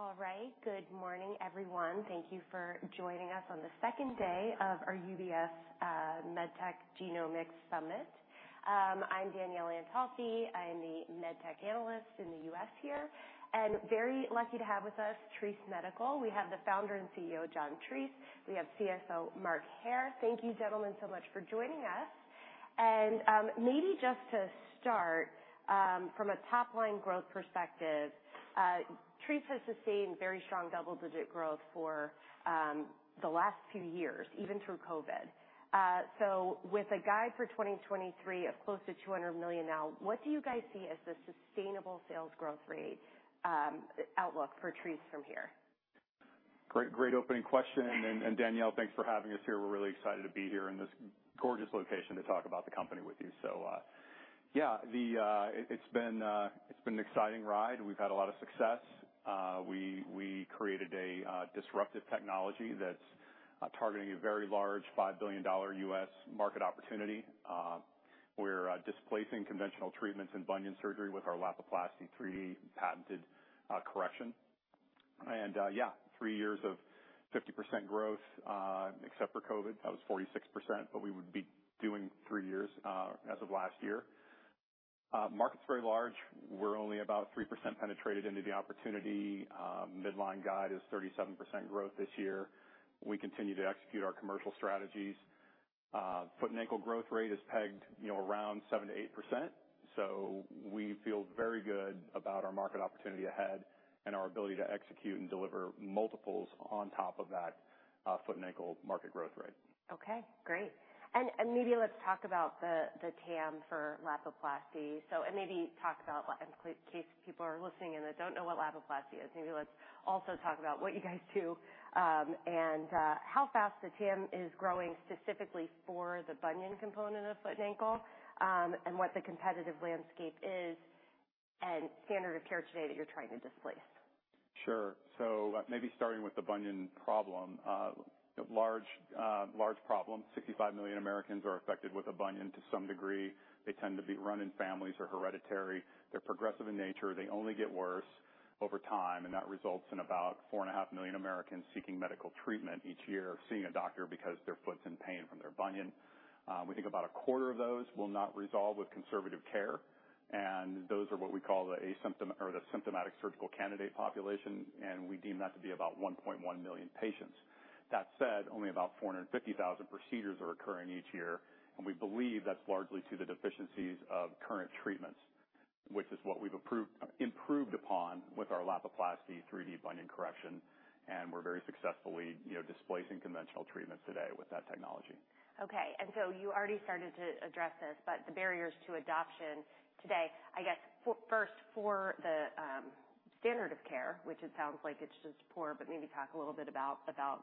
All right. Good morning, everyone. Thank you for joining us on the second day of our UBS MedTech Genomics Summit. I'm Danielle Antalffy. I'm the medtech analyst in the U.S. here, very lucky to have with us, Treace Medical. We have the founder and CEO, John T. Treace. We have CSO, Mark L. Hair. Thank you, gentlemen, so much for joining us. Maybe just to start, from a top line growth perspective, Treace has sustained very strong double-digit growth for the last few years, even through COVID. With a guide for 2023 of close to $200 million now, what do you guys see as the sustainable sales growth rate outlook for Treace from here? Great, great opening question. Danielle, thanks for having us here. We're really excited to be here in this gorgeous location to talk about the company with you. Yeah, the, it's been an exciting ride. We've had a lot of success. We, we created a disruptive technology that's targeting a very large $5 billion U.S. market opportunity. We're displacing conventional treatments in bunion surgery with our Lapiplasty three patented correction. Yeah, three years of 50% growth, except for COVID, that was 46%, but we would be doing three years as of last year. Market's very large. We're only about 3% penetrated into the opportunity. Midline guide is 37% growth this year. We continue to execute our commercial strategies. Foot and ankle growth rate is pegged, you know, around 7%-8%. We feel very good about our market opportunity ahead and our ability to execute and deliver multiples on top of that, foot and ankle market growth rate. Okay, great. Maybe let's talk about the, the TAM for Lapiplasty®. Maybe talk about, in case people are listening and they don't know what Lapiplasty® is, maybe let's also talk about what you guys do, and how fast the TAM is growing specifically for the bunion component of foot and ankle, and what the competitive landscape is and standard of care today that you're trying to displace. Sure. So maybe starting with the bunion problem, large, large problem, 65 million Americans are affected with a bunion to some degree. They tend to be run in families or hereditary. They're progressive in nature. They only get worse over time, and that results in about 4.5 million Americans seeking medical treatment each year, or seeing a doctor because their foot's in pain from their bunion. We think about a quarter of those will not resolve with conservative care, and those are what we call a symptom or the symptomatic surgical candidate population, and we deem that to be about 1.1 million patients. That said, only about 450,000 procedures are occurring each year, and we believe that's largely to the deficiencies of current treatments, which is what we've approved, improved upon with our Lapiplasty 3D Bunion Correction, and we're very successfully, you know, displacing conventional treatments today with that technology. Okay. So you already started to address this, but the barriers to adoption today, I guess, first for the standard of care, which it sounds like it's just poor, but maybe talk a little bit about, about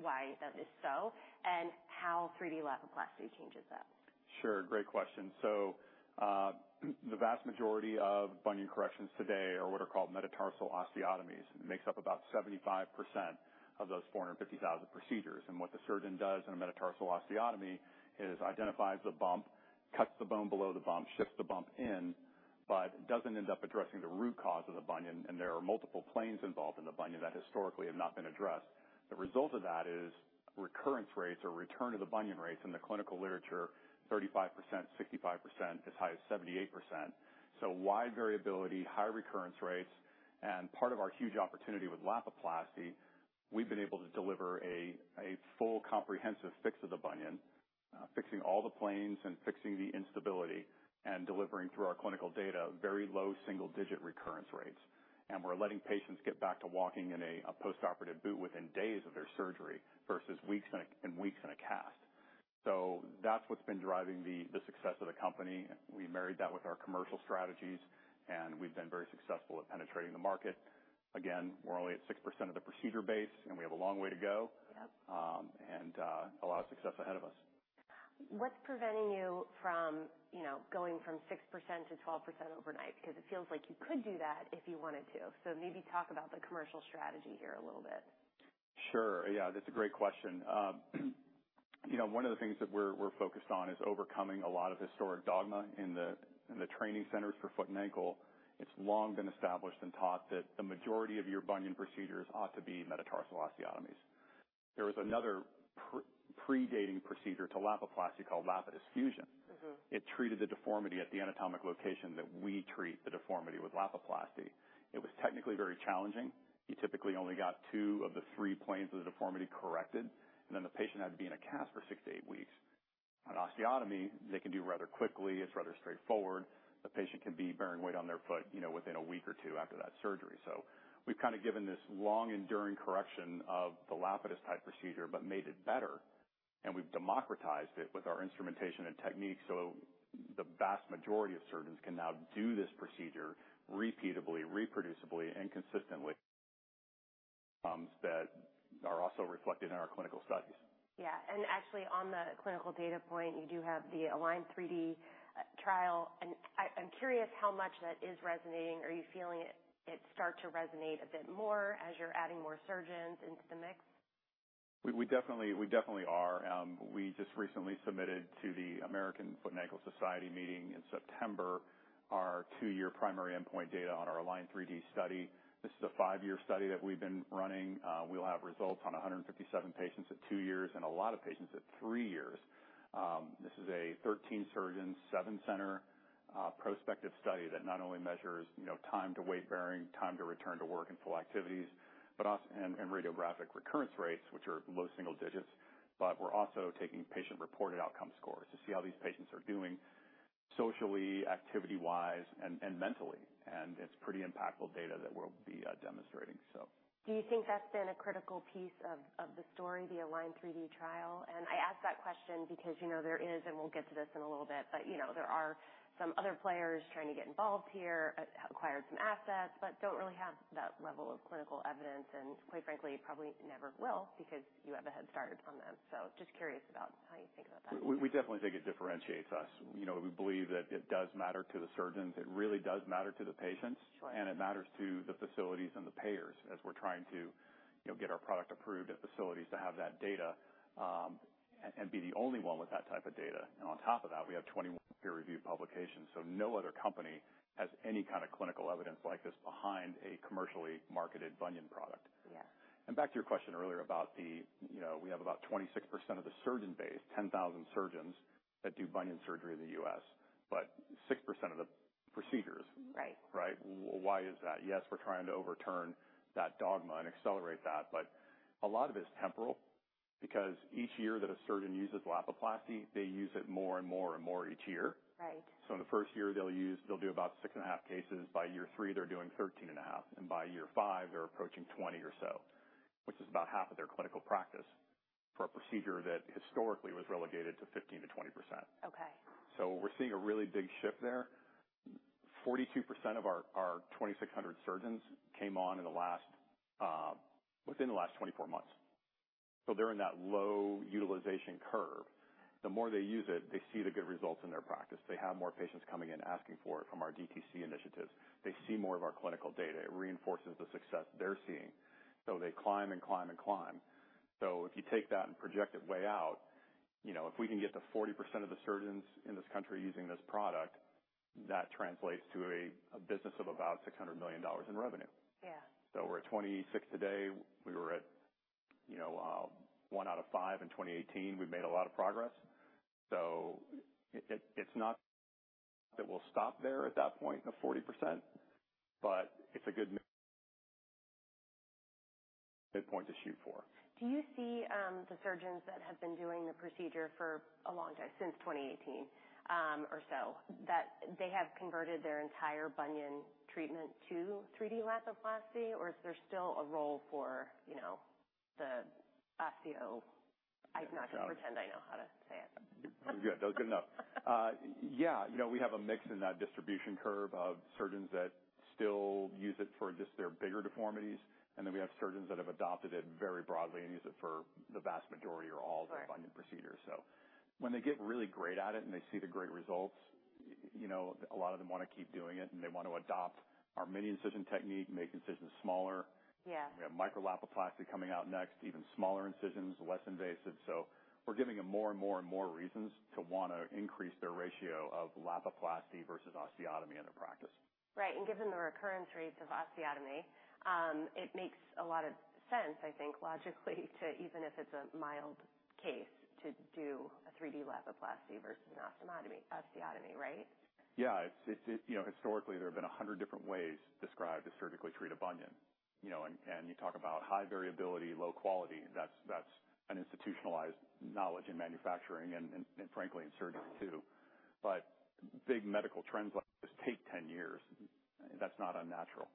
why that is so and how 3D Lapiplasty changes that. Sure. Great question. The vast majority of bunion corrections today are what are called metatarsal osteotomies. It makes up about 75% of those 450,000 procedures. What the surgeon does in a metatarsal osteotomy is identifies the bump, cuts the bone below the bump, shifts the bump in, but doesn't end up addressing the root cause of the bunion, and there are multiple planes involved in the bunion that historically have not been addressed. The result of that is recurrence rates or return of the bunion rates in the clinical literature, 35%, 65%, as high as 78%. Wide variability, high recurrence rates, and part of our huge opportunity with Lapiplasty, we've been able to deliver a full comprehensive fix of the bunion, fixing all the planes and fixing the instability, and delivering through our clinical data, very low single-digit recurrence rates. We're letting patients get back to walking in a postoperative boot within days of their surgery, versus weeks and weeks in a cast. That's what's been driving the success of the company. We married that with our commercial strategies, and we've been very successful at penetrating the market. Again, we're only at 6% of the procedure base, and we have a long way to go. Yep. A lot of success ahead of us. What's preventing you from, you know, going from 6%-12% overnight? Because it feels like you could do that if you wanted to. Maybe talk about the commercial strategy here a little bit. Sure. Yeah, that's a great question. you know, one of the things that we're, we're focused on is overcoming a lot of historic dogma in the, in the training centers for foot and ankle. It's long been established and taught that the majority of your bunion procedures ought to be metatarsal osteotomies. There was another predating procedure to Lapiplasty called Lapidus fusion. Mm-hmm. It treated the deformity at the anatomic location that we treat the deformity with Lapiplasty. It was technically very challenging. You typically only got two of the three planes of the deformity corrected, and then the patient had to be in a cast for 6-8 weeks. An osteotomy they can do rather quickly. It's rather straightforward. The patient can be bearing weight on their foot, you know, within one or two after that surgery. We've kind of given this long enduring correction of the Lapidus type procedure, but made it better, and we've democratized it with our instrumentation and techniques so the vast majority of surgeons can now do this procedure repeatably, reproducibly, and consistently that are also reflected in our clinical studies. Yeah. Actually, on the clinical data point, you do have the ALIGN3D trial. I'm curious how much that is resonating. Are you feeling it, it start to resonate a bit more as you're adding more surgeons into the mix? We, we definitely, we definitely are. We just recently submitted to the American Orthopaedic Foot & Ankle Society meeting in September, our two-year primary endpoint data on our ALIGN3D study. This is a five-year study that we've been running. We'll have results on 157 patients at two years and a lot of patients at three years. This is a 13 surgeon, seven center, prospective study that not only measures, you know, time to weight bearing, time to return to work and full activities, but also and, and radiographic recurrence rates, which are low single digits. We're also taking patient-reported outcome scores to see how these patients are doing socially, activity-wise, and, and mentally. It's pretty impactful data that we'll be demonstrating. Do you think that's been a critical piece of, of the story, the ALIGN3D trial? I ask that question because, you know, there is, and we'll get to this in a little bit, but, you know, there are some other players trying to get involved here, acquired some assets, but don't really have that level of clinical evidence, and quite frankly, probably never will because you have a head start on them. Just curious about how you think about that? We, we definitely think it differentiates us. You know, we believe that it does matter to the surgeons. It really does matter to the patients. Sure. It matters to the facilities and the payers, as we're trying to, you know, get our product approved at facilities to have that data, and be the only one with that type of data. On top of that, we have 21 peer-reviewed publications, so no other company has any kind of clinical evidence like this behind a commercially marketed bunion product. Yeah. Back to your question earlier about the, you know, we have about 26% of the surgeon base, 10,000 surgeons that do bunion surgery in the U.S. but 6% of the procedures. Right. Right? Why is that? Yes, we're trying to overturn that dogma and accelerate that, but a lot of it is temporal, because each year that a surgeon uses Lapiplasty, they use it more and more and more each year. Right. In the first year, they'll do about 6.5 cases. By year three, they're doing 13.5, and by year five, they're approaching 20 or so, which is about half of their clinical practice for a procedure that historically was relegated to 15%-20%. Okay. We're seeing a really big shift there. 42% of our, our 2,600 surgeons came on in the last, within the last 24 months. They're in that low utilization curve. The more they use it, they see the good results in their practice. They have more patients coming in asking for it from our DTC initiatives. They see more of our clinical data. It reinforces the success they're seeing, so they climb and climb and climb. If you take that and project it way out, you know, if we can get to 40% of the surgeons in this country using this product, that translates to a, a business of about $600 million in revenue. Yeah. We're at 26 today. We were at, you know, one out of five in 2018. We've made a lot of progress. It, it, it's not that we'll stop there at that point, the 40%, but it's a good mid-point to shoot for. Do you see, the surgeons that have been doing the procedure for a long time, since 2018, or so, that they have converted their entire bunion treatment to 3D Lapiplasty, or is there still a role for, you know, the osteo-? Yeah. I'm not going to pretend I know how to say it. Good. That was good enough. Yeah, you know, we have a mix in that distribution curve of surgeons that still use it for just their bigger deformities, and then we have surgeons that have adopted it very broadly and use it for the vast majority or all- Right Of their bunion procedures. When they get really great at it, and they see the great results, you know, a lot of them want to keep doing it, and they want to adopt our mini-incision technique, make incisions smaller. Yeah. We have Micro-Lapiplasty coming out next, even smaller incisions, less invasive. We're giving them more and more and more reasons to want to increase their ratio of Lapiplasty versus osteotomy in their practice. Right. Given the recurrence rates of osteotomy, it makes a lot of sense, I think, logically, to even if it's a mild case, to do a 3D Lapiplasty versus an osteotomy, right? Yeah. It's, it's, you know, historically, there have been 100 different ways described to surgically treat a bunion. You know, and, and you talk about high variability, low quality, that's, that's an institutionalized knowledge in manufacturing and, and frankly, in surgery, too. Big medical trends like this take 10 years. That's not unnatural.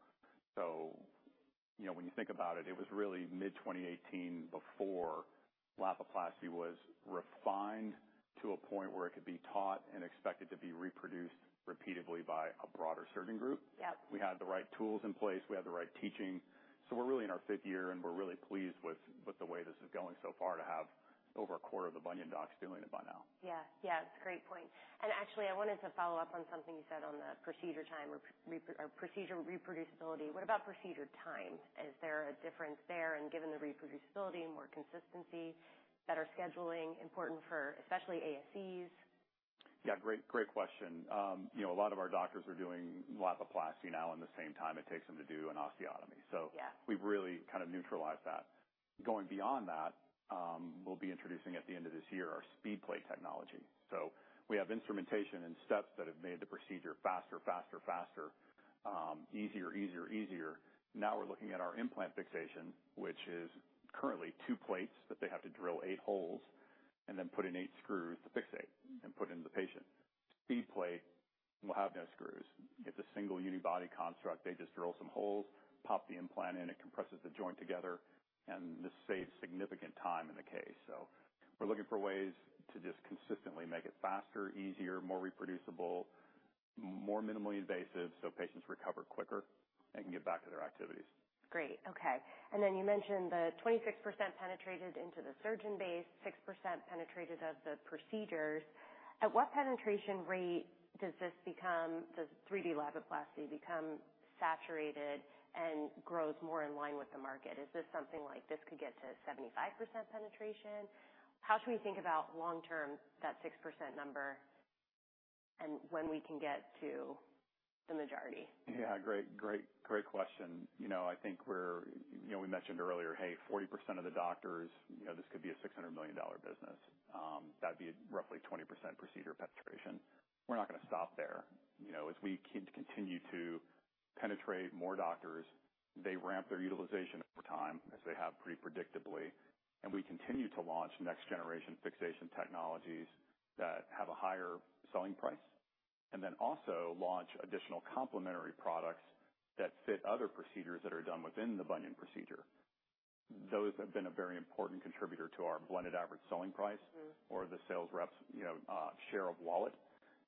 You know, when you think about it, it was really mid-2018 before Lapiplasty was refined to a point where it could be taught and expected to be reproduced repeatedly by a broader surgeon group. Yep. We had the right tools in place. We had the right teaching. We're really in our fifth year, and we're really pleased with the way this is going so far to have over a quarter of the bunion docs doing it by now. Yeah. Yeah, it's a great point. Actually, I wanted to follow up on something you said on the procedure time or procedure reproducibility. What about procedure time? Is there a difference there and given the reproducibility, more consistency, better scheduling, important for especially ASCs? Yeah, great, great question. You know, a lot of our doctors are doing Lapiplasty now in the same time it takes them to do an osteotomy. Yeah. We've really kind of neutralized that. Going beyond that, we'll be introducing at the end of this year, our SpeedPlate technology. We have instrumentation and steps that have made the procedure faster, faster, faster, easier, easier, easier. Now we're looking at our implant fixation, which is currently two plates that they have to drill eight holes and then put in eight screws to fixate and put in the patient. SpeedPlate will have no screws. It's a single unibody construct. They just drill some holes, pop the implant in, it compresses the joint together, and this saves significant time in the case. We're looking for ways to just consistently make it faster, easier, more reproducible, more minimally invasive, so patients recover quicker and can get back to their activities. Great. Okay. Then you mentioned the 26% penetrated into the surgeon base, 6% penetrated of the procedures. At what penetration rate does 3D Lapiplasty become saturated and grows more in line with the market? Is this something like this could get to 75% penetration? How should we think about long-term, that 6% number? And when we can get to the majority? Yeah, great, great, great question. You know, I think we're, you know, we mentioned earlier, hey, 40% of the doctors, you know, this could be a $600 million business. That'd be roughly 20% procedure penetration. We're not going to stop there. You know, as we continue to penetrate more doctors, they ramp their utilization over time, as they have pretty predictably, and we continue to launch next-generation fixation technologies that have a higher selling price, and then also launch additional complementary products that fit other procedures that are done within the bunion procedure. Those have been a very important contributor to our blended average selling price... Mm-hmm. or the sales reps, you know, share of wallet.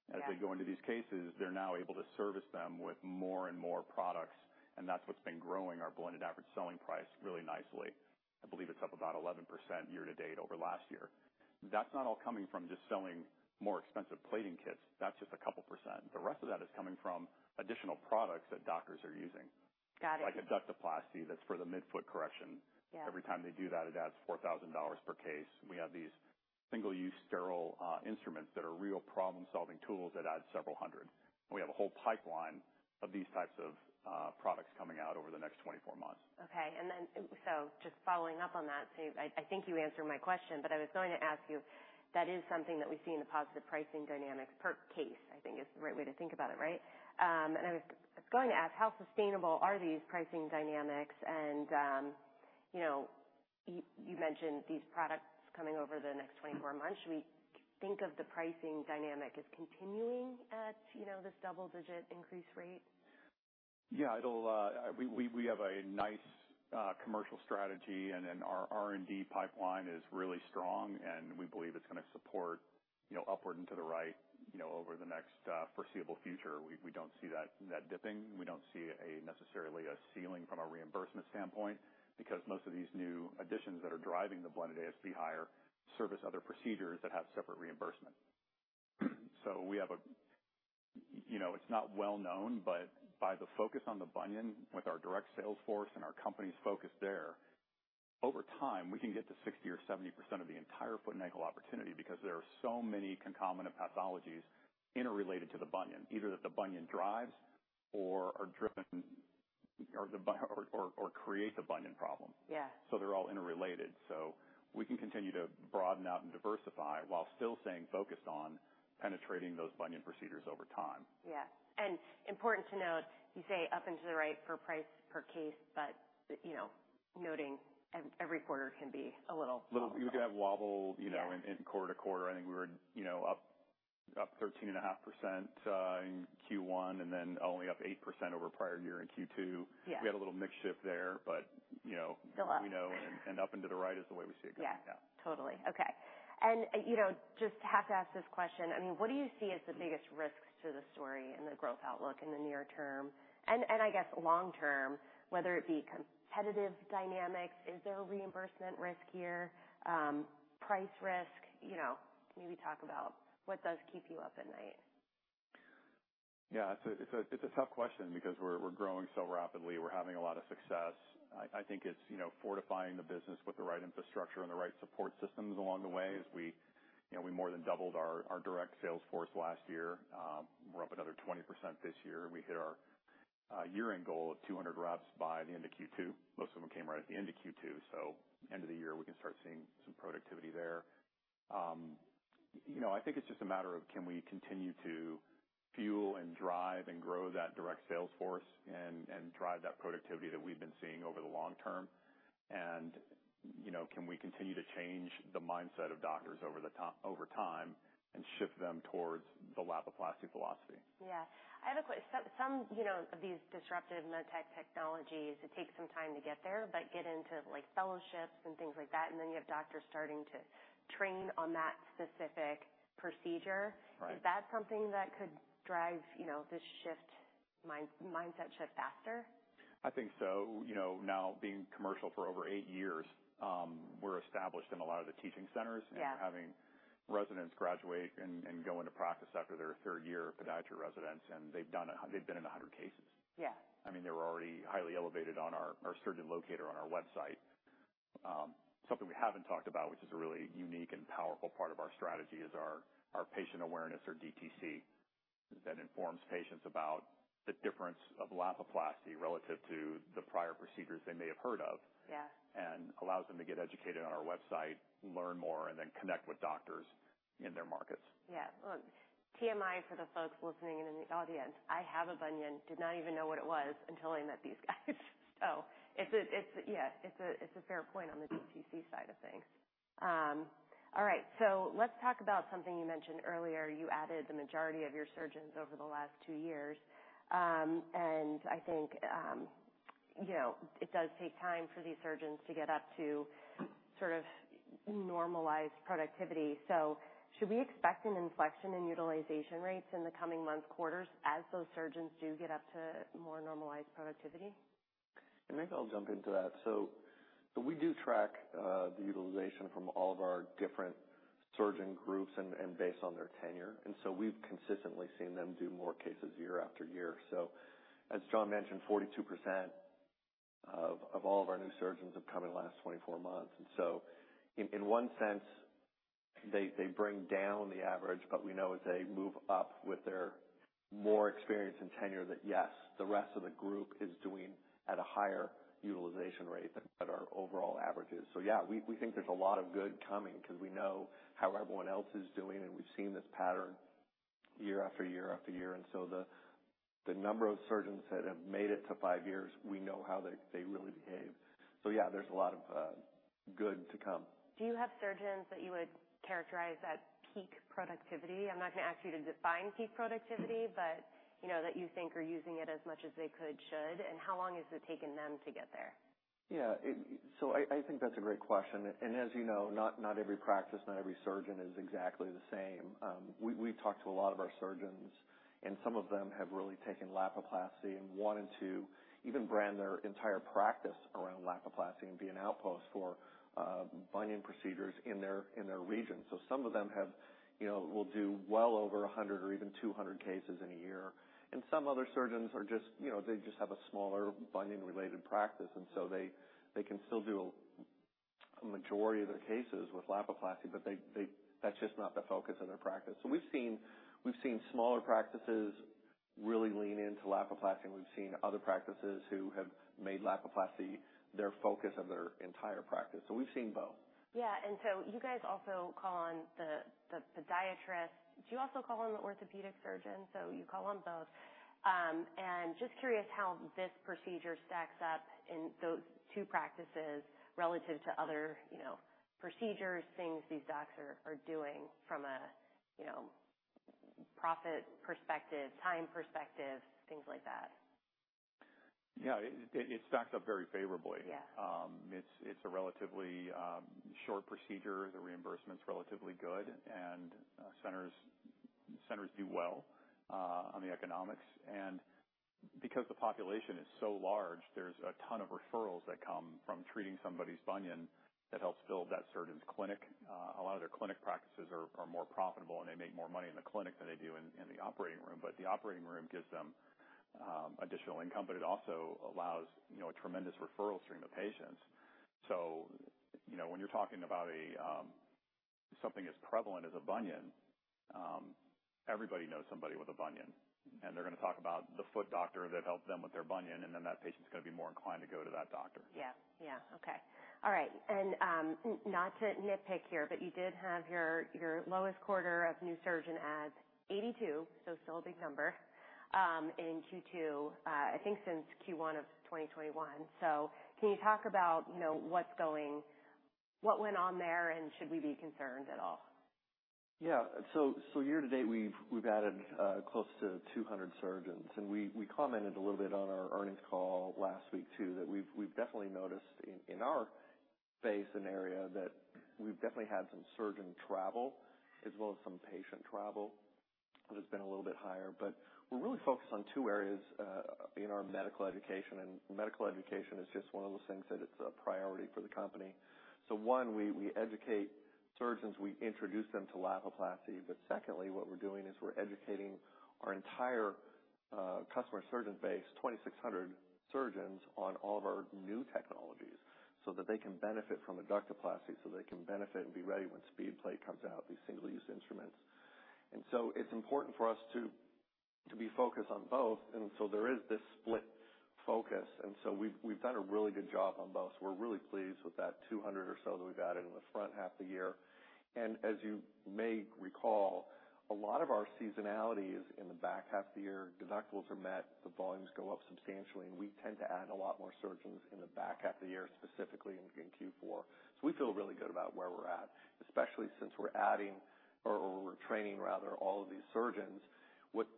Yeah. As they go into these cases, they're now able to service them with more and more products, that's what's been growing our blended average selling price really nicely. I believe it's up about 11% year-to-date over last year. That's not all coming from just selling more expensive plating kits. That's just a couple percent. The rest of that is coming from additional products that doctors are using. Got it. Like a Adductoplasty, that's for the midfoot correction. Yeah. Every time they do that, it adds $4,000 per case. We have these single-use, sterile instruments that are real problem-solving tools that add several hundred. We have a whole pipeline of these types of products coming out over the next 24 months. Just following up on that, I, I think you answered my question, but I was going to ask you, that is something that we see in the positive pricing dynamics per case, I think is the right way to think about it, right? I was going to ask, how sustainable are these pricing dynamics? You know, you mentioned these products coming over the next 24 months. Should we think of the pricing dynamic as continuing at, you know, this double-digit increase rate? Yeah, it'll, we, we, we have a nice commercial strategy, and then our R&D pipeline is really strong, and we believe it's going to support, you know, upward and to the right, you know, over the next foreseeable future. We, we don't see that, that dipping. We don't see a necessarily a ceiling from a reimbursement standpoint, because most of these new additions that are driving the blended ASP higher service other procedures that have separate reimbursement. We have a, you know, it's not well known, but by the focus on the bunion with our direct sales force and our company's focus there, over time, we can get to 60% or 70% of the entire foot and ankle opportunity because there are so many concomitant pathologies interrelated to the bunion, either that the bunion drives or are driven or create the bunion problem. Yeah. They're all interrelated. We can continue to broaden out and diversify while still staying focused on penetrating those bunion procedures over time. Yeah. important to note, you say up into the right for price per case, but, you know, noting every quarter can be a little- Little. You can have wobble, you know- Yeah... in, in quarter to quarter. I think we were, you know, up, up 13.5% in Q1, and then only up 8% over prior year in Q2. Yeah. We had a little mix shift there, but, you know... Still up. you know, and up into the right is the way we see it going. Yeah. Yeah. Totally. Okay. You know, just have to ask this question: I mean, what do you see as the biggest risks to the story and the growth outlook in the near term, and, and I guess long term, whether it be competitive dynamics, is there a reimbursement risk here, price risk? You know, maybe talk about what does keep you up at night? Yeah, it's a, it's a, it's a tough question because we're, we're growing so rapidly. We're having a lot of success. I, I think it's, you know, fortifying the business with the right infrastructure and the right support systems along the way. Mm-hmm. As we, you know, we more than doubled our, our direct sales force last year. We're up another 20% this year. We hit our year-end goal of 200 reps by the end of Q2. Most of them came right at the end of Q2, so end of the year, we can start seeing some productivity there. You know, I think it's just a matter of can we continue to fuel and drive and grow that direct sales force and, and drive that productivity that we've been seeing over the long term? You know, can we continue to change the mindset of doctors over the time- over time and shift them towards the Lapiplasty philosophy? Some, you know, of these disruptive medtech technologies, it takes some time to get there, but get into, like, fellowships and things like that, and then you have doctors starting to train on that specific procedure. Right. Is that something that could drive, you know, this shift, mindset shift faster? I think so. You know, now being commercial for over 8 years, we're established in a lot of the teaching centers- Yeah We're having residents graduate and, and go into practice after their third year of podiatry residence, and they've been in 100 cases. Yeah. I mean, they're already highly elevated on our, our surgeon locator on our website. Something we haven't talked about, which is a really unique and powerful part of our strategy, is our, our patient awareness or DTC, that informs patients about the difference of Lapiplasty relative to the prior procedures they may have heard of. Yeah allows them to get educated on our website, learn more, and then connect with doctors in their markets. Yeah. Look, TMI for the folks listening and in the audience, I have a bunion. Did not even know what it was until I met these guys. It's a fair point on the DTC side of things. All right, let's talk about something you mentioned earlier. You added the majority of your surgeons over the last two years. I think, you know, it does take time for these surgeons to get up to sort of normalized productivity. Should we expect an inflection in utilization rates in the coming months, quarters, as those surgeons do get up to more normalized productivity? Maybe I'll jump into that. We do track the utilization from all of our different surgeon groups and, based on their tenure, we've consistently seen them do more cases year after year. As John mentioned, 42%... of all of our new surgeons have come in the last 24 months. In one sense, they bring down the average, but we know as they move up with their more experience and tenure, that yes, the rest of the group is doing at a higher utilization rate than what our overall average is. Yeah, we think there's a lot of good coming because we know how everyone else is doing, and we've seen this pattern year after year after year. The, the number of surgeons that have made it to five years, we know how they, they really behave. Yeah, there's a lot of good to come. Do you have surgeons that you would characterize at peak productivity? I'm not going to ask you to define peak productivity, but, you know, that you think are using it as much as they could, should, and how long has it taken them to get there? Yeah. So I, I think that's a great question. As you know, not, not every practice, not every surgeon is exactly the same. We, we've talked to a lot of our surgeons, and some of them have really taken Lapiplasty and wanted to even brand their entire practice around Lapiplasty and be an outpost for bunion procedures in their, in their region. Some of them have, you know, will do well over 100 or even 200 cases in a year. Some other surgeons are just, you know, they just have a smaller bunion-related practice, and so they can still do a, a majority of their cases with Lapiplasty, but that's just not the focus of their practice. We've seen, we've seen smaller practices really lean into Lapiplasty, and we've seen other practices who have made Lapiplasty their focus of their entire practice. We've seen both. Yeah. You guys also call on the, the podiatrist. Do you also call on the orthopedic surgeon? You call on both. Just curious how this procedure stacks up in those two practices relative to other, you know, procedures, things these docs are, are doing from a, you know, profit perspective, time perspective, things like that. Yeah, it, it stacks up very favorably. Yeah. It's a relatively short procedure. The reimbursement's relatively good, and centers do well on the economics. Because the population is so large, there's a ton of referrals that come from treating somebody's bunion that helps build that surgeon's clinic. A lot of their clinic practices are more profitable, and they make more money in the clinic than they do in the operating room. But the operating room gives them additional income, but it also allows, you know, a tremendous referral stream of patients. You know, when you're talking about something as prevalent as a bunion, everybody knows somebody with a bunion, and they're going to talk about the foot doctor that helped them with their bunion, and then that patient's going to be more inclined to go to that doctor. Yeah. Yeah. Okay. All right. Not to nitpick here, but you did have your, your lowest quarter of new surgeon adds, 82, so still a big number, in Q2, I think since Q1 of 2021. Can you talk about, you know, what went on there, and should we be concerned at all? Yeah. So, so year to date, we've, we've added close to 200 surgeons, and we, we commented a little bit on our earnings call last week, too, that we've, we've definitely noticed in, in our base and area that we've definitely had some surgeon travel as well as some patient travel, that has been a little bit higher. We're really focused on two areas in our medical education, and medical education is just one of those things that it's a priority for the company. One, we, we educate surgeons, we introduce them to Lapiplasty. Secondly, what we're doing is we're educating our entire customer surgeon base, 2,600 surgeons, on all of our new technologies so that they can benefit from Adductoplasty, so they can benefit and be ready when SpeedPlate comes out, these single-use instruments. It's important for us to, to be focused on both, and so there is this split focus, and so we've, we've done a really good job on both. We're really pleased with that 200 or so that we've added in the front half of the year. As you may recall, a lot of our seasonality is in the back half of the year. Deductibles are met, the volumes go up substantially, and we tend to add a lot more surgeons in the back half of the year, specifically in, in Q4. We feel really good about where we're at, especially since we're adding or, or we're training, rather, all of these surgeons. With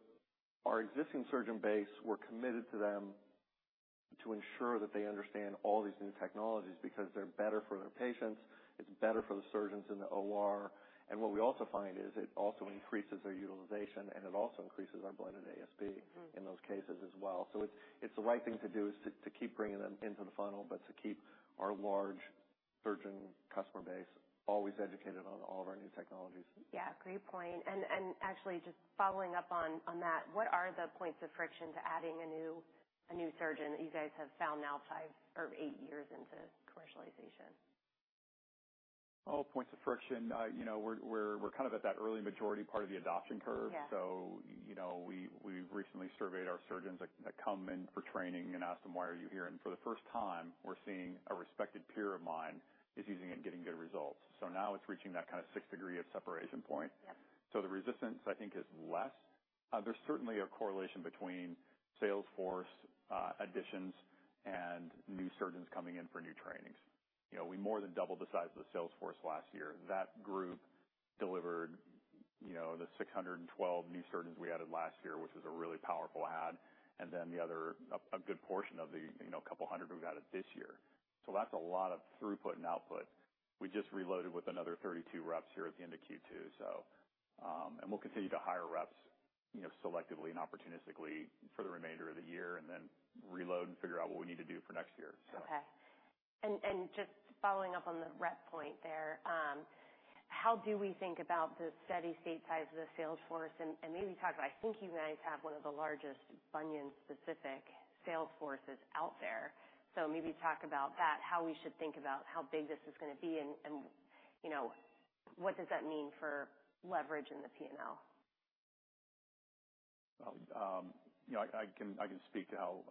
our existing surgeon base, we're committed to them to ensure that they understand all these new technologies because they're better for their patients, it's better for the surgeons in the OR. What we also find is it also increases their utilization, and it also increases our blended ASP. Mm-hmm. in those cases as well. It's, it's the right thing to do is to, to keep bringing them into the funnel, but to keep our large surgeon customer base always educated on all of our new technologies. Yeah, great point. Actually, just following up on, on that, what are the points of friction to adding a new, a new surgeon that you guys have found now five or eight years into commercialization? Oh, points of friction, you know, we're, we're, we're kind of at that early majority part of the adoption curve. Yeah. you know, we've recently surveyed our surgeons that come in for training and ask them, "Why are you here?" For the first time, we're seeing a respected peer of mine is using it and getting good results. Now it's reaching that kind of sixth degree of separation point. Yeah. The resistance, I think, is less. There's certainly a correlation between sales force additions and new surgeons coming in for new trainings. You know, we more than doubled the size of the sales force last year. That group delivered, you know, the 612 new surgeons we added last year, which is a really powerful add, and then the other, a good portion of the, you know, couple hundred we've added this year. That's a lot of throughput and output. We just reloaded with another 32 reps here at the end of Q2. We'll continue to hire reps, you know, selectively and opportunistically for the remainder of the year and then reload and figure out what we need to do for next year. Okay. Just following up on the rep point there, how do we think about the steady state size of the sales force? Maybe talk about, I think you guys have one of the largest bunion-specific sales forces out there. Maybe talk about that, how we should think about how big this is going to be, and, you know, what does that mean for leverage in the P&L? Well, you know, I, I can, I can speak to how-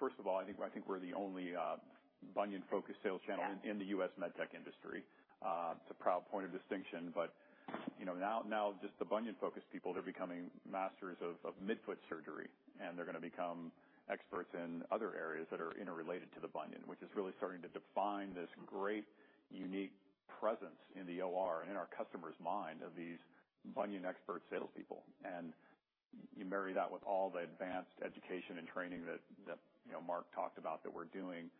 first of all, I think, I think we're the only, bunion-focused sales channel... Yeah in the U.S. med tech industry. It's a proud point of distinction, but, you know, now, now, just the bunion-focused people, they're becoming masters of, of midfoot surgery, and they're going to become experts in other areas that are interrelated to the bunion, which is really starting to define this great, unique presence in the OR, in our customer's mind, of these bunion expert salespeople. You marry that with all the advanced education and training that, that, you know, Mark talked about that we're doing,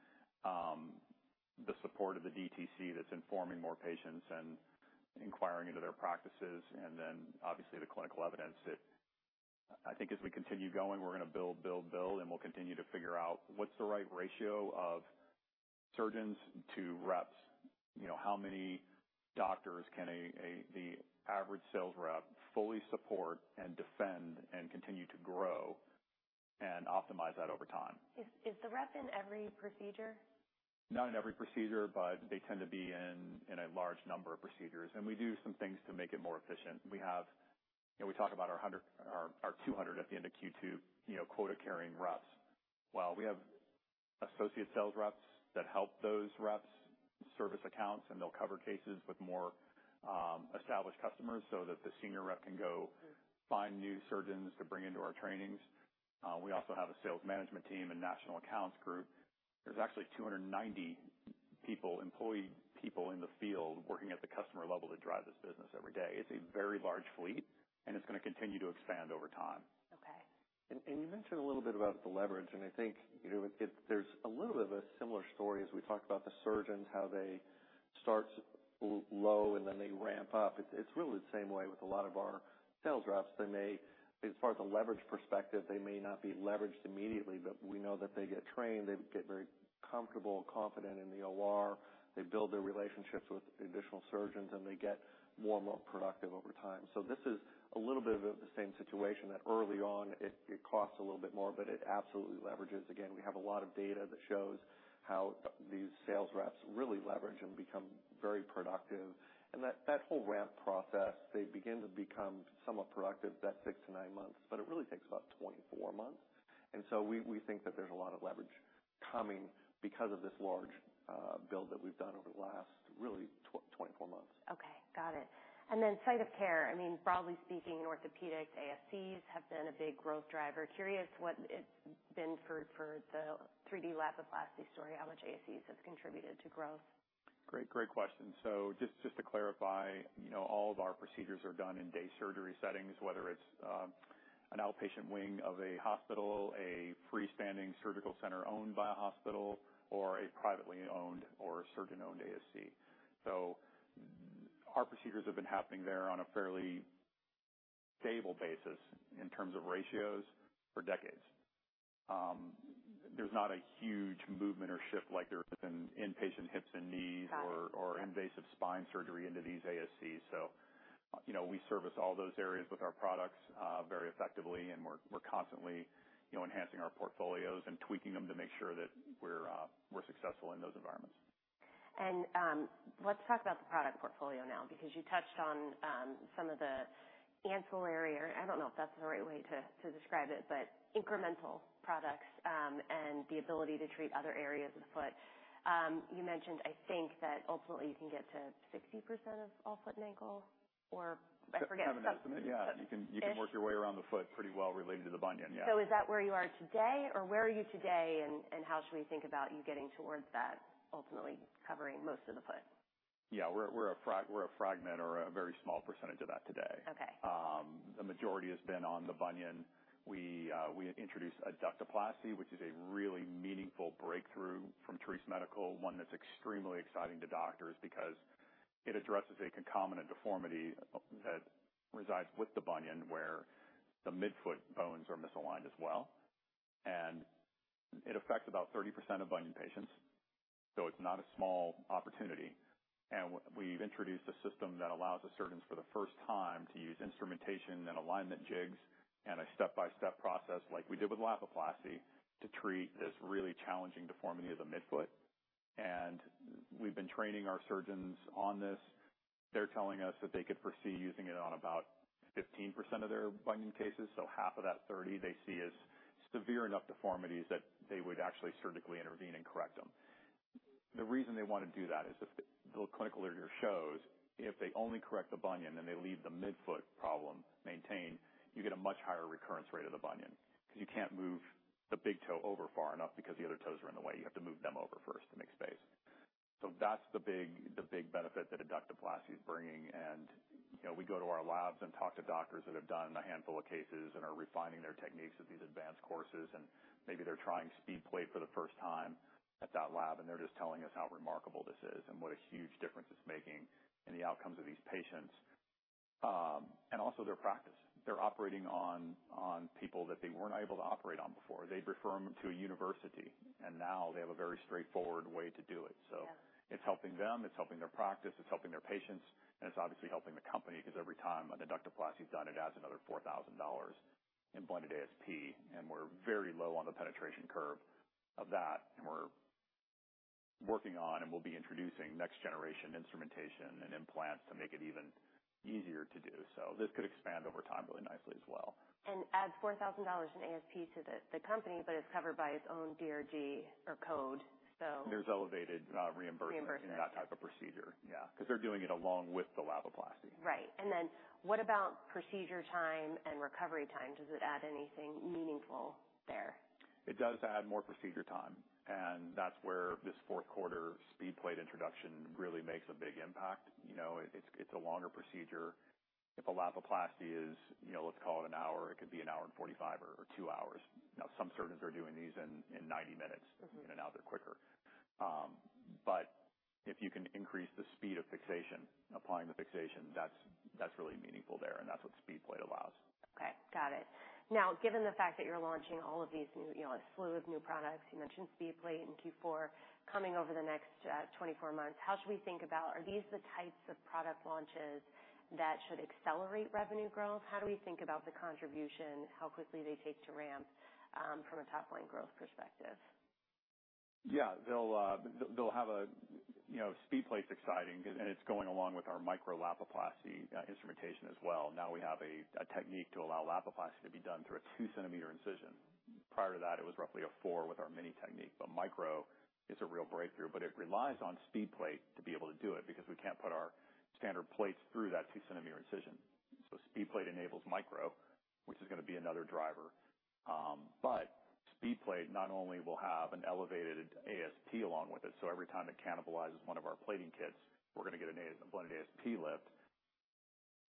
the support of the DTC that's informing more patients and inquiring into their practices, and then, obviously, the clinical evidence that I think as we continue going, we're going to build, build, build, and we'll continue to figure out what's the right ratio of surgeons to reps. You know, how many doctors can the average sales rep fully support and defend and continue to grow and optimize that over time? Is the rep in every procedure? Not in every procedure, but they tend to be in, in a large number of procedures. We do some things to make it more efficient. We have, you know, we talk about our 200 at the end of Q2, you know, quota-carrying reps. Well, we have associate sales reps that help those reps service accounts, and they'll cover cases with more established customers so that the senior rep can go find new surgeons to bring into our trainings. We also have a sales management team and national accounts group. There's actually 290 people, employee people in the field working at the customer level to drive this business every day. It's a very large fleet, and it's going to continue to expand over time. Okay. You mentioned a little bit about the leverage, and I think, you know, there's a little bit of a similar story as we talked about the surgeons, how they start low, and then they ramp up. It's, it's really the same way with a lot of our sales reps. They may, as far as the leverage perspective, they may not be leveraged immediately, but we know that they get trained, they get very comfortable and confident in the OR. They build their relationships with additional surgeons, and they get more and more productive over time. This is a little bit of the same situation, that early on it, it costs a little bit more, but it absolutely leverages. Again, we have a lot of data that shows how these sales reps really leverage and become very productive. That, that whole ramp process, they begin to become somewhat productive that 6-9 months, but it really takes about 24 months. We, we think that there's a lot of leverage coming because of this large build that we've done over the last, really, 24 months. Okay, got it. Then site of care, I mean, broadly speaking, in orthopedic, ASCs have been a big growth driver. Curious what it's been for the 3D Lapiplasty story, how much ASCs has contributed to growth? Great, great question. Just, just to clarify, you know, all of our procedures are done in day surgery settings, whether it's an outpatient wing of a hospital, a freestanding surgical center owned by a hospital, or a privately owned or a surgeon-owned ASC. Our procedures have been happening there on a fairly stable basis in terms of ratios for decades. There's not a huge movement or shift like there is in inpatient hips and knees- Got it. or, or invasive spine surgery into these ASCs. You know, we service all those areas with our products, very effectively, and we're constantly, you know, enhancing our portfolios and tweaking them to make sure that we're successful in those environments. Let's talk about the product portfolio now, because you touched on, some of the ancillary, or I don't know if that's the right way to, to describe it, but incremental products, and the ability to treat other areas of the foot. You mentioned, I think, that ultimately you can get to 60% of all foot and ankle, or I forget- Kind of an estimate. Yeah. -ish? You can, you can work your way around the foot pretty well related to the bunion. Yeah. Is that where you are today, or where are you today, and, and how should we think about you getting towards that, ultimately covering most of the foot? Yeah, we're a fragment or a very small percentage of that today. Okay. The majority has been on the bunion. We introduced Adductoplasty, which is a really meaningful breakthrough from Treace Medical Concepts, one that's extremely exciting to doctors because it addresses a concomitant deformity that resides with the bunion, where the midfoot bones are misaligned as well. It affects about 30% of bunion patients, so it's not a small opportunity. We've introduced a system that allows the surgeons, for the first time, to use instrumentation and alignment jigs and a step-by-step process, like we did with Lapiplasty, to treat this really challenging deformity of the midfoot. We've been training our surgeons on this. They're telling us that they could foresee using it on about 15% of their bunion cases, so half of that 30% they see as severe enough deformities that they would actually surgically intervene and correct them. The reason they want to do that is the, the clinical literature shows if they only correct the bunion, and they leave the midfoot problem maintained, you get a much higher recurrence rate of the bunion, because you can't move the big toe over far enough because the other toes are in the way. You have to move them over first to make space. That's the big, the big benefit that Adductoplasty is bringing. You know, we go to our labs and talk to doctors that have done a handful of cases and are refining their techniques at these advanced courses, and maybe they're trying SpeedPlate for the first time at that lab, and they're just telling us how remarkable this is and what a huge difference it's making in the outcomes of these patients, and also their practice. They're operating on, on people that they weren't able to operate on before. They'd refer them to a university. Now they have a very straightforward way to do it. Yeah. It's helping them, it's helping their practice, it's helping their patients, and it's obviously helping the company, because every time a Adductoplasty is done, it adds another $4,000 in blended ASP, and we're very low on the penetration curve of that, and we're working on and we'll be introducing next generation instrumentation and implants to make it even easier to do. This could expand over time really nicely as well. Add $4,000 in ASP to the, the company. It's covered by its own DRG or code. There's elevated, reimbursement- Reimbursement -in that type of procedure. Yeah, because they're doing it along with the Lapiplasty. Right. Then what about procedure time and recovery time? Does it add anything meaningful there? It does add more procedure time, and that's where this fourth quarter SpeedPlate introduction really makes a big impact. You know, it, it's a longer procedure. If a Lapiplasty is, you know, let's call it 1 hour, it could be 1 hour and 45 or, or two hours. Some surgeons are doing these in, in 90 minutes. Mm-hmm. In and out, they're quicker. If you can increase the speed of fixation, applying the fixation, that's, that's really meaningful there, and that's what SpeedPlate allows. Okay, got it. Given the fact that you're launching all of these new, you know, a slew of new products, you mentioned SpeedPlate in Q4, coming over the next, 24 months, Are these the types of product launches that should accelerate revenue growth? How do we think about the contribution, how quickly they take to ramp, from a top-line growth perspective? Yeah, they'll, they'll have a... You know, SpeedPlate's exciting, and it's going along with our Micro-Lapiplasty instrumentation as well. Now we have a technique to allow Lapiplasty to be done through a 2cm incision. Prior to that, it was roughly a four with our mini-incision technique, but Micro is a real breakthrough. It relies on SpeedPlate to be able to do it, because we can't put our standard plates through that 2cm incision. SpeedPlate enables Micro, which is going to be another driver. SpeedPlate not only will have an elevated ASP along with it, so every time it cannibalizes one of our plating kits, we're going to get a blended ASP lift.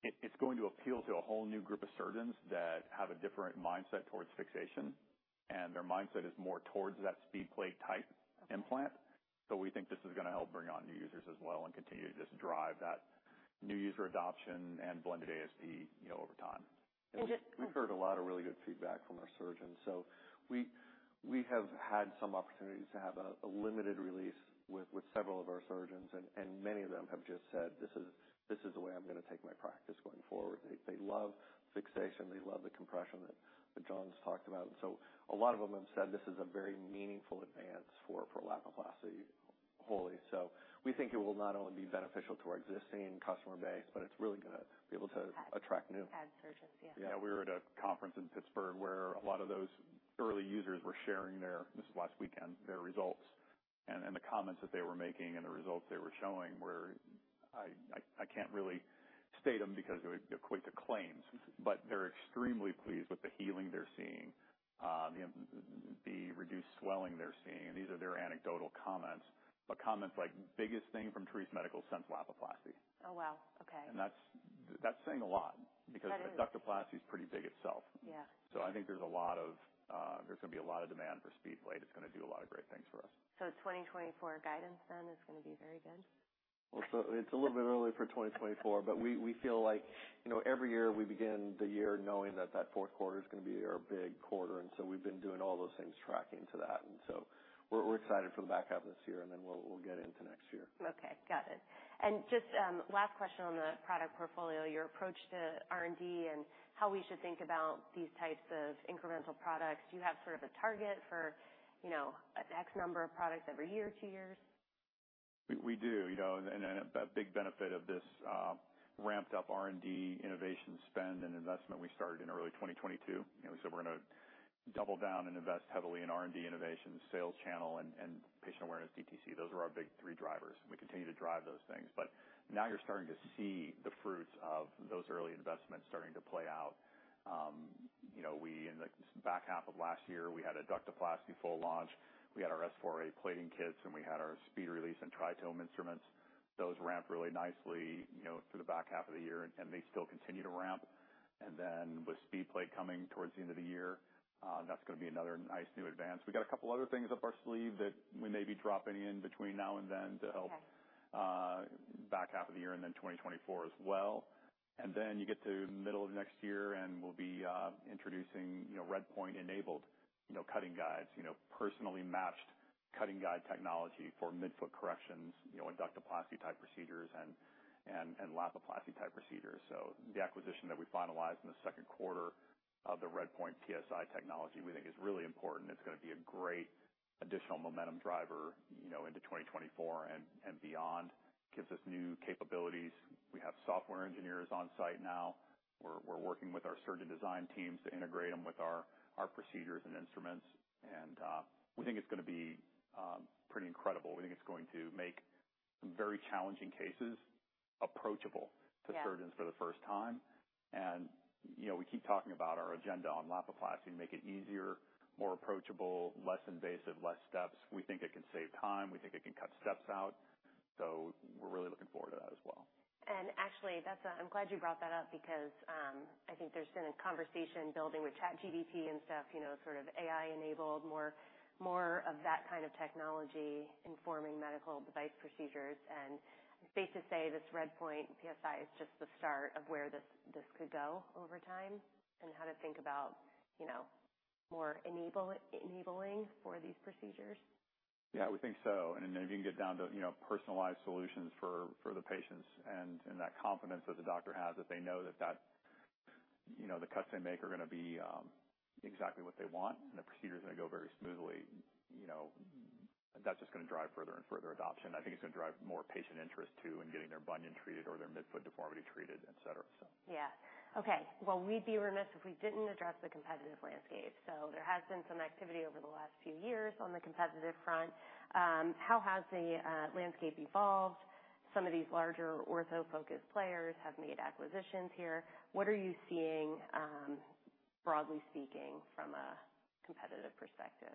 It's going to appeal to a whole new group of surgeons that have a different mindset towards fixation, and their mindset is more towards that SpeedPlate type implant. We think this is going to help bring on new users as well and continue to just drive that new user adoption and blended ASP, you know, over time. And just- We've heard a lot of really good feedback from our surgeons. We, we have had some opportunities to have a, a limited release with, with several of our surgeons, and, and many of them have just said, "This is, this is the way I'm going to take my practice going forward." They, they love fixation. They love the compression that, that John's talked about. A lot of them have said this is a very meaningful advance for, for Lapiplasty wholly. We think it will not only be beneficial to our existing customer base, but it's really going to be able to attract new. Attract surgeons, yeah. Yeah, we were at a conference in Pittsburgh where a lot of those early users were sharing their, this was last weekend, their results. The comments that they were making and the results they were showing were, I, I, I can't really state them because it would be equivalent to claims. Mm-hmm. They're extremely pleased with the healing they're seeing, the reduced swelling they're seeing. These are their anecdotal comments, but comments like, "Biggest thing from Treace Medical since Lapiplasty. Oh, wow! Okay. That's, that's saying a lot. That is. Because Adductoplasty is pretty big itself. Yeah. I think there's a lot of, there's going to be a lot of demand for SpeedPlate. It's going to do a lot of great things for us. 2024 guidance then is going to be very good? It's a little bit early for 2024, but we, we feel like, you know, every year we begin the year knowing that that fourth quarter is going to be our big quarter, and so we've been doing all those things tracking to that. We're, we're excited for the back half of this year, and then we'll, we'll get into next year. Okay, got it. Just, last question on the product portfolio, your approach to R&D and how we should think about these types of incremental products. Do you have sort of a target for, you know, X number of products every year, two years? We do, you know, and a big benefit of this ramped up R&D innovation spend and investment we started in early 2022. You know, we said we're going to double down and invest heavily in R&D innovation, sales channel, and patient awareness DTC. Those are our big thee drivers. We continue to drive those things. Now you're starting to see the fruits of those early investments starting to play out. You know, we, in the back half of last year, we had a Adductoplasty full launch. We had our S4A plating kits, and we had our SpeedRelease and TriTome instruments. Those ramped really nicely, you know, through the back half of the year, and they still continue to ramp. Then with SpeedPlate coming towards the end of the year, that's going to be another nice new advance. We got a couple other things up our sleeve that we may be dropping in between now and then to help Okay back half of the year and then 2024 as well. You get to middle of next year, and we'll be introducing, you know, RedPoint-enabled, you know, cutting guides, you know, personally matched cutting guide technology for midfoot corrections, you know, and Adductoplasty-type procedures and, and, and Lapiplasty-type procedures. The acquisition that we finalized in the 2Q of the RedPoint PSI technology, we think is really important. It's going to be a great additional momentum driver, you know, into 2024 and, and beyond. Gives us new capabilities. We have software engineers on site now. We're, we're working with our surgeon design teams to integrate them with our, our procedures and instruments, and we think it's going to be pretty incredible. We think it's going to make some very challenging cases approachable- Yeah -to surgeons for the first time. You know, we keep talking about our agenda on Lapiplasty, make it easier, more approachable, less invasive, less steps. We think it can save time. We think it can cut steps out, so we're really looking forward to that as well. Actually, that's I'm glad you brought that up because, I think there's been a conversation building with ChatGPT and stuff, you know, sort of AI-enabled, more, more of that kind of technology informing medical device procedures. Safe to say, this RedPoint PSI is just the start of where this, this could go over time and how to think about, you know, more enable, enabling for these procedures? Yeah, we think so. Then if you can get down to, you know, personalized solutions for, for the patients and, and that confidence that the doctor has, that they know that, that, you know, the cuts they make are going to be exactly what they want and the procedure is going to go very smoothly, you know, that's just going to drive further and further adoption. I think it's going to drive more patient interest, too, in getting their bunion treated or their midfoot deformity treated, et cetera, so. Yeah. Okay. Well, we'd be remiss if we didn't address the competitive landscape. There has been some activity over the last few years on the competitive front. How has the landscape evolved? Some of these larger ortho-focused players have made acquisitions here. What are you seeing, broadly speaking, from a competitive perspective?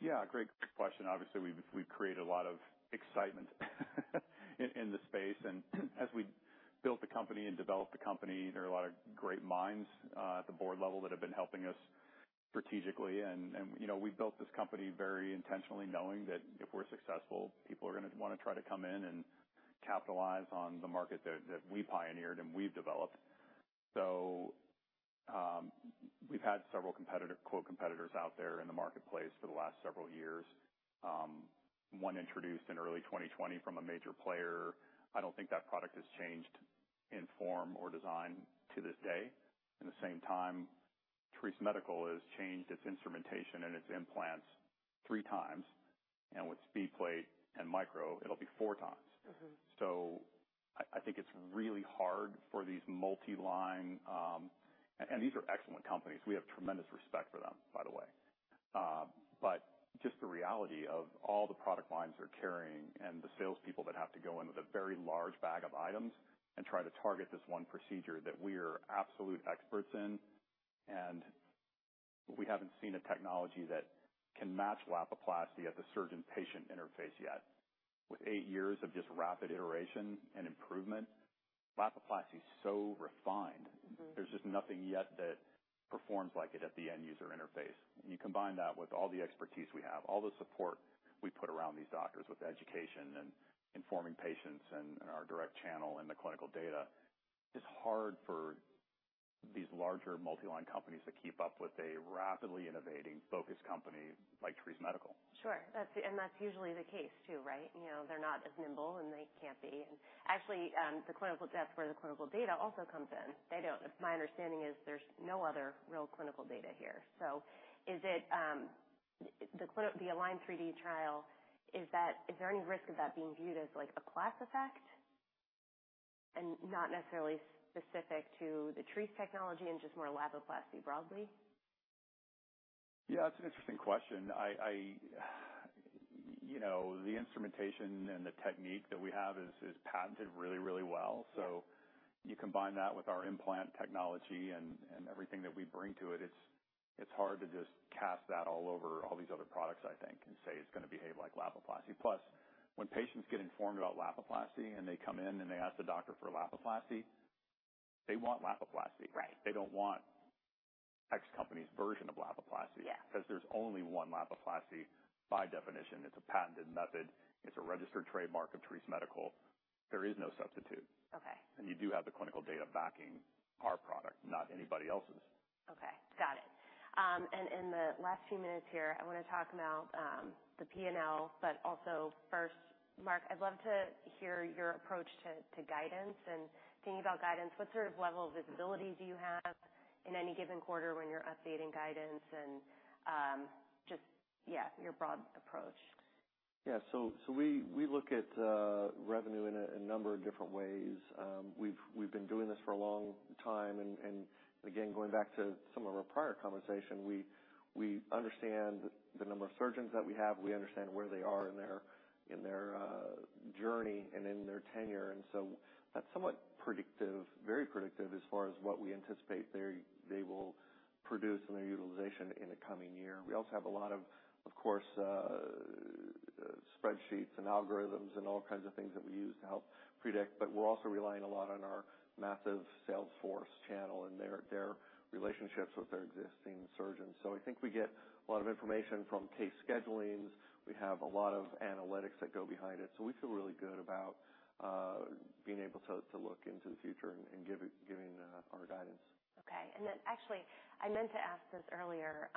Yeah, great question. Obviously, we've, we've created a lot of excitement in, in the space, and as we built the company and developed the company, there are a lot of great minds at the board level that have been helping us strategically. You know, we built this company very intentionally, knowing that if we're successful, people are going to want to try to come in and capitalize on the market that, that we pioneered and we've developed. We've had several competitive, quote, competitors out there in the marketplace for the last several years. One introduced in early 2020 from a major player. I don't think that product has changed in form or design to this day. At the same time, Treace Medical has changed its instrumentation and its implants 3x, and with SpeedPlate and Micro, it'll be 4x. Mm-hmm. I, I think it's really hard for these multi-line. These are excellent companies. We have tremendous respect for them, by the way. Just the reality of all the product lines they're carrying and the salespeople that have to go in with a very large bag of items and try to target this one procedure that we are absolute experts in, and we haven't seen a technology that can match Lapiplasty at the surgeon-patient interface yet. With eight years of just rapid iteration and improvement, Lapiplasty is so refined. Mm-hmm. There's just nothing yet that performs like it at the end-user interface. You combine that with all the expertise we have, all the support we put around these doctors, with the education and informing patients and, and our direct channel and the clinical data, it's hard for these larger, multi-line companies to keep up with a rapidly innovating, focused company like Treace Medical. Sure. That's, and that's usually the case, too, right? You know, they're not as nimble, and they can't be. Actually, that's where the clinical data also comes in. My understanding is there's no other real clinical data here. Is it, the clinic, the ALIGN3D trial, is there any risk of that being viewed as, like, a plat effect and not necessarily specific to the Treace technology and just more Lapiplasty broadly? Yeah, that's an interesting question. You know, the instrumentation and the technique that we have is, is patented really, really well. You combine that with our implant technology and, and everything that we bring to it, it's, it's hard to just cast that all over all these other products, I think, and say it's going to behave like Lapiplasty. When patients get informed about Lapiplasty, and they come in and they ask the doctor for Lapiplasty, they want Lapiplasty. Right. They don't want X company's version of Lapiplasty. Yeah. Because there's only one Lapiplasty, by definition. It's a patented method. It's a registered trademark of Treace Medical. There is no substitute. Okay. You do have the clinical data backing our product, not anybody else's. Okay, got it. In the last few minutes here, I want to talk about the PNL, also first, Mark, I'd love to hear your approach to, to guidance and thinking about guidance. What sort of level of visibility do you have in any given quarter when you're updating guidance? just, yeah, your broad approach. Yeah. We, we look at revenue in a number of different ways. We've, we've been doing this for a long time. Again, going back to some of our prior conversation, we, we understand the number of surgeons that we have. We understand where they are in their, in their journey and in their tenure. That's somewhat predictive, very predictive as far as what we anticipate they, they will produce in their utilization in the coming year. We also have a lot of, of course, spreadsheets and algorithms and all kinds of things that we use to help predict, but we're also relying a lot on our massive sales force channel and their, their relationships with their existing surgeons. I think we get a lot of information from case schedulings. We have a lot of analytics that go behind it, so we feel really good about being able to, to look into the future and giving, giving our guidance. Okay. Actually, I meant to ask this earlier.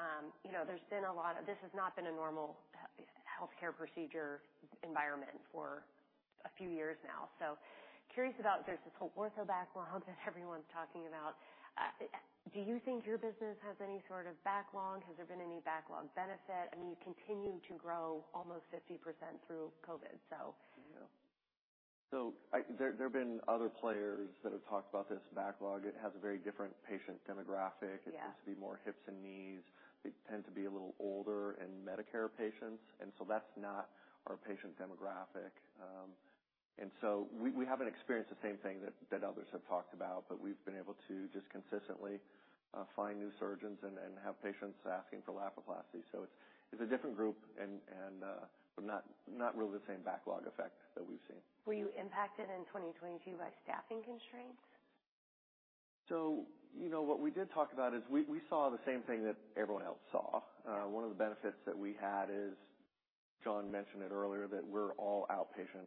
you know, there's been a lot of This has not been a normal healthcare procedure environment for a few years now. Curious about, there's this whole ortho backlog that everyone's talking about. Do you think your business has any sort of backlog? Has there been any backlog benefit? I mean, you've continued to grow almost 50% through COVID, so. There have been other players that have talked about this backlog. It has a very different patient demographic. Yeah. It seems to be more hips and knees. They tend to be a little older and Medicare patients, and so that's not our patient demographic. We, we haven't experienced the same thing that, that others have talked about, but we've been able to just consistently find new surgeons and, and have patients asking for Lapiplasty. It's, it's a different group and, and, but not, not really the same backlog effect that we've seen. Were you impacted in 2022 by staffing constraints? You know, what we did talk about is we, we saw the same thing that everyone else saw. One of the benefits that we had is. John mentioned it earlier, that we're all outpatient,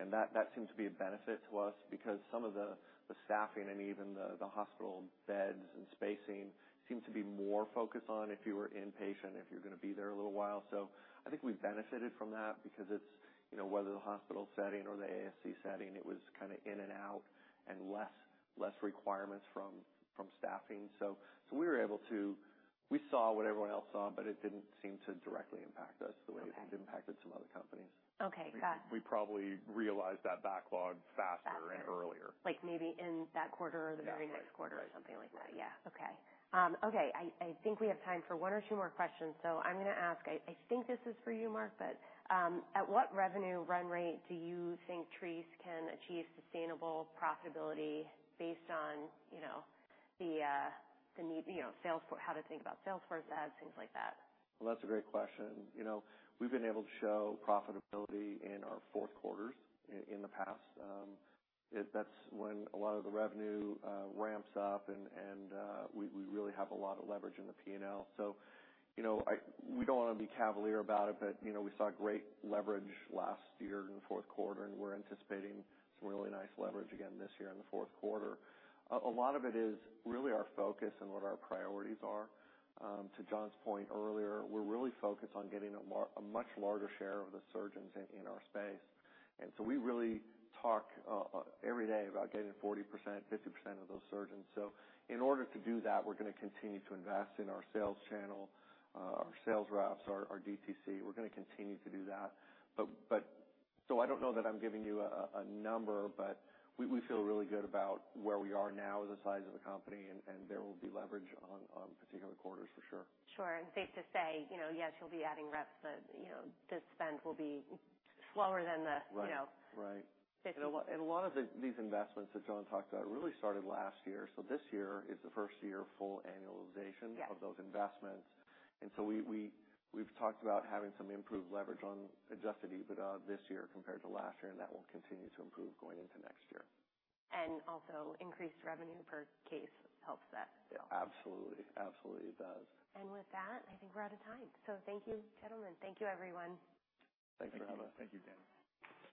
and that, that seems to be a benefit to us because some of the, the staffing and even the, the hospital beds and spacing seems to be more focused on if you were inpatient, if you're going to be there a little while. I think we've benefited from that because it's, you know, whether the hospital setting or the ASC setting, it was kind of in and out and less, less requirements from, from staffing. We were able to. We saw what everyone else saw, but it didn't seem to directly impact us the way Okay. It impacted some other companies. Okay, got it. We probably realized that backlog faster- Faster. Earlier. Like maybe in that quarter or the very next quarter. Right. or something like that. Yeah. Okay. Okay, I, I think we have time for one or two more questions, so I'm going to ask, I, I think this is for you, Mark, but, at what revenue run rate do you think Treace can achieve sustainable profitability based on, you know, the need, you know, sales-- how to think about sales force ads, things like that? Well, that's a great question. You know, we've been able to show profitability in our fourth quarters in the past. That's when a lot of the revenue ramps up, and, and we, we really have a lot of leverage in the P&L. So, you know, we don't want to be cavalier about it, but, you know, we saw great leverage last year in the fourth quarter, and we're anticipating some really nice leverage again this year in the fourth quarter. A lot of it is really our focus and what our priorities are. To John's point earlier, we're really focused on getting a much larger share of the surgeons in, in our space. So we really talk every day about getting 40%, 50% of those surgeons. So in order to do that, we're going to continue to invest in our sales channel, our sales reps, our, our DTC. We're going to continue to do that. I don't know that I'm giving you a, a, a number, but we, we feel really good about where we are now, the size of the company, and, and there will be leverage on, on particular quarters, for sure. Sure. Safe to say, you know, yes, you'll be adding reps, but, you know, the spend will be slower than the- Right. You know? Right. Fifty- A lot, and a lot of these investments that John talked about really started last year. This year is the first year full annualization- Yes. of those investments. We, we, we've talked about having some improved leverage on adjusted EBITDA this year compared to last year, and that will continue to improve going into next year. Also increased revenue per case helps that as well. Absolutely. Absolutely, it does. With that, I think we're out of time. Thank you, gentlemen. Thank you, everyone. Thanks for having us. Thank you, Dana.